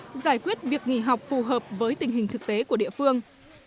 sở học giải quyết việc nghỉ học phù hợp với tình hình thực tế của địa phương